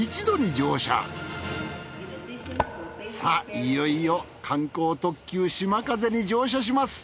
いよいよ観光特急しまかぜに乗車します